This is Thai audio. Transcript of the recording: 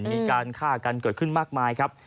มีการฆ่ากันเกิดขึ้นมากมายครับ